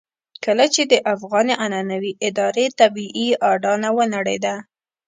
کله چې د افغاني عنعنوي ادارې طبيعي اډانه ونړېده.